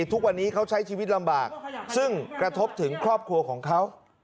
ทุกวันนี้เขาใช้ชีวิตลำบากซึ่งกระทบถึงครอบครัวของเขา